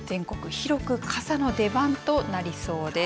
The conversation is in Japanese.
広く傘の出番となりそうです。